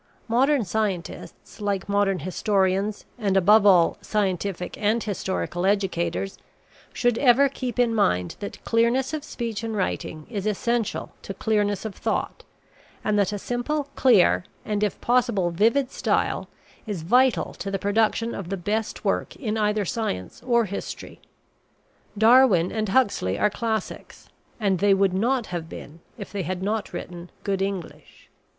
Modern scientists, like modern historians and, above all, scientific and historical educators, should ever keep in mind that clearness of speech and writing is essential to clearness of thought and that a simple, clear, and, if possible, vivid style is vital to the production of the best work in either science or history. Darwin and Huxley are classics, and they would not have been if they had not written good English.